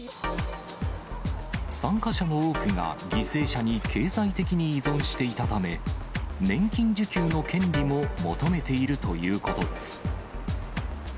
参加者の多くが犠牲者に経済的に依存していたため、年金受給の権利も求めているということです。